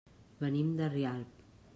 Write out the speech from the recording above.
Venim de Rialp.